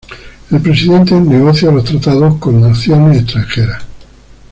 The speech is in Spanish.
El presidente negocia los tratados con naciones extranjeras.